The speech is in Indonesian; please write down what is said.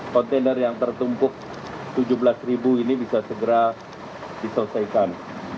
kontainer yang tertumpuk tujuh belas ribu ini bisa segera diselesaikan